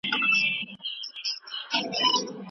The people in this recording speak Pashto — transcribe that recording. مکناټن د انګریزانو د کمپانۍ استازی و.